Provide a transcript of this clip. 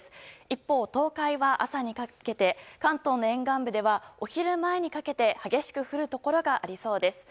一方、東海は朝にかけて関東の沿岸部ではお昼前にかけて激しく降るところがありそうです。